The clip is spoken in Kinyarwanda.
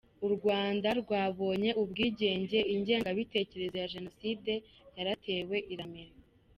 U Rwanda rwabonye ubwigenge, ingengabitekerezo ya Jenoside yaratewe, iramera.